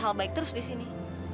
kalau gak baik terus disini